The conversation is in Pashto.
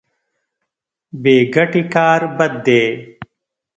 بې ګټې کار بد دی.